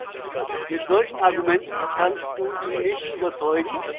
Mit solchen Argumenten kannst du ihn nicht überzeugen.